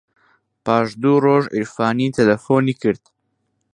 پاش دوو ڕۆژ عیرفانی تەلەفۆنی کرد.